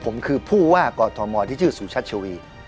ผมคือผู้ว่ากอทมที่ชื่อสุชัชวี